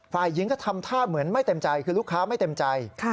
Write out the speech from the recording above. ฝ่ายหญิงก็ทำท่าเหมือนไม่เต็มใจคือลูกค้าไม่เต็มใจ